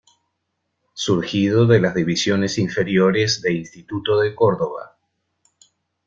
Surgido de las divisiones inferiores de Instituto de Cordoba.